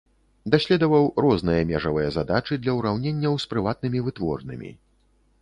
Даследаваў розныя межавыя задачы для ўраўненняў з прыватнымі вытворнымі.